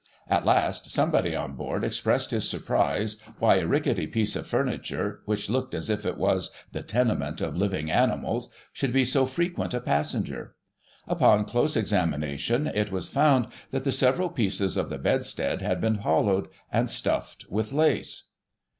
At last, somebody on board expressed his surprise, why a ricketty piece of furniture, which looked as if it was the tenement of living animals, should be so frequent a passenger. Upon close examination, it was foimd that the several pieces of the bedstead had been hollowed and stuffed with lace.